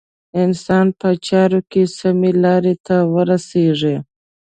انسان په چارو کې سمې رايې ته ورسېږي.